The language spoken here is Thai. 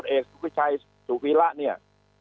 อเอกสุภิชัยสุฟิละเนี่ย